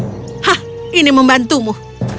hah ini membantumu